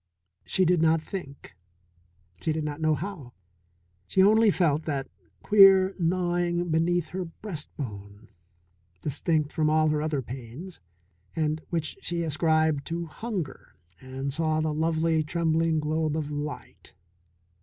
She did not think, she did not know how. She only felt that queer gnawing beneath her breastbone, distinct from all her other pains, and which she ascribed to hunger, and saw the lovely, trembling globe of light.